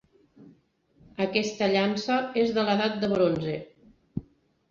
Aquesta llança és de l'Edat de Bronze